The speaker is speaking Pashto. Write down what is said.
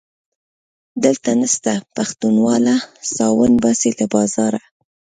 دلته نسته پښتونواله - ساوڼ باسي له بازاره